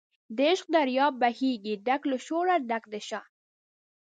د عشق دریاب بهیږي ډک له شوره ډک د شان